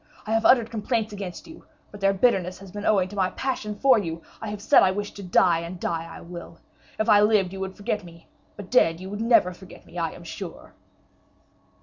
I have uttered complaints against you, but their bitterness has been owing to my passion for you; I have said I wish to die, and die I will. If I lived, you would forget me; but dead, you would never forget me, I am sure."